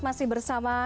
masih bersama kami